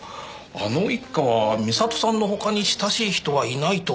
あの一家は美里さんの他に親しい人はいないと思いますが。